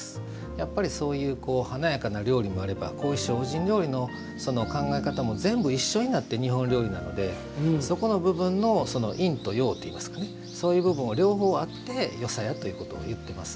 やっぱりそういう華やかな料理もあればこういう精進料理の考え方も全部一緒になって日本料理なのでそこの部分の陰と陽といいますかねそういう部分が両方あってよさやということを言っています。